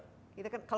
dan kami terus percaya